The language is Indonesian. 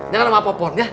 jangan sama apa pun ya